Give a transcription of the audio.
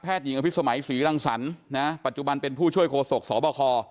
หญิงอภิษมัยศรีรังสรรค์นะปัจจุบันเป็นผู้ช่วยโฆษกสบค